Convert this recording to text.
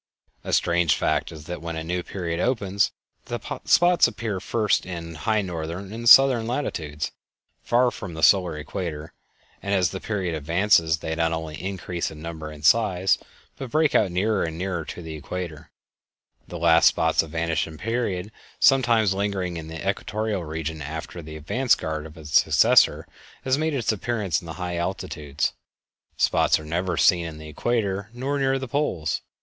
A strange fact is that when a new period opens, the spots appear first in high northern and southern latitudes, far from the solar equator, and as the period advances they not only increase in number and size, but break out nearer and nearer to the equator, the last spots of a vanishing period sometimes lingering in the equatorial region after the advance guard of its successor has made its appearance in the high latitudes. Spots are never seen on the equator nor near the poles.